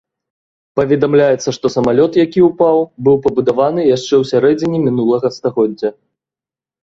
Паведамляецца, што самалёт, які ўпаў, быў пабудаваны яшчэ ў сярэдзіне мінулага стагоддзя!